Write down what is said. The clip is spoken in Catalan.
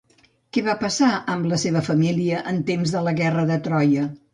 Què va passar amb la seva família en temps de la guerra de Troia?